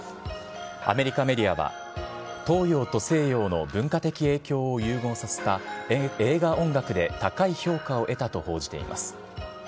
アメリカメディアは、東洋と西洋の文化的影響を融合させた映画音楽で、高い評価を得たと報じています。